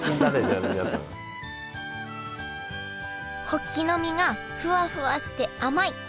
ホッキの身がフワフワして甘い。